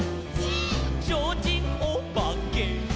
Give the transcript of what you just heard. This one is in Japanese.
「ちょうちんおばけ」「」